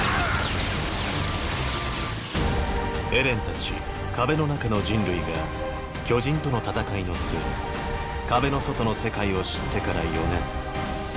エレンたち壁の中の人類が巨人との戦いの末壁の外の世界を知ってから４年。